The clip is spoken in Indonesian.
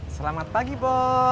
selamat pagi bos